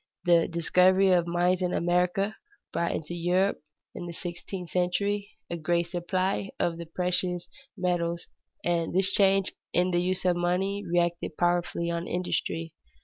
The discovery of mines in America brought into Europe, in the sixteenth century, a great supply of the precious metals, and this change in the use of money reacted powerfully on industry.